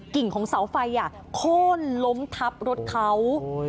กิ่งของเสาไฟโค้นล้มทับรถเขา